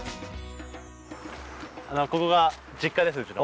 ここが実家ですうちの。